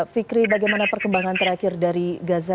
fikri bagaimana perkembangan terakhir dari gaza